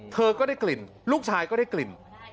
เธอก็ได้กลิ่นลูกชายก็ได้กลิ่น